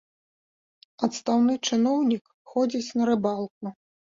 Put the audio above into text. Адстаўны чыноўнік ходзіць на рыбалку.